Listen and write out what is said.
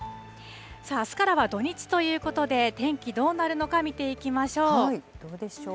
さあ、あすからは土日ということで、天気どうなるのか、見ていきどうでしょう。